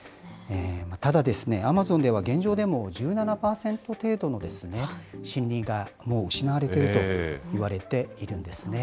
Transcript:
ただ、アマゾンでは現状でも１７％程度の森林がもう失われているといわれているんですね。